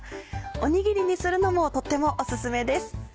おにぎりにするのもとってもオススメです。